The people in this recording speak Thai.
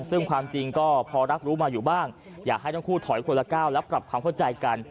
ซึ่งความจริงก็พอรักรู้มาอยู่บ้างอยากให้ทั้งคู่ถอยคนละก้าวและปรับความเข้าใจกัน